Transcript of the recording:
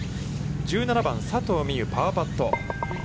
１７番、佐藤心結、パーパット。